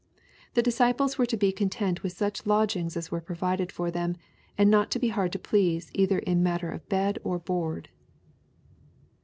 The disciples were to be content with such lodgings as were provided for fliem, and not to be hard to please either in the matter of bed or board.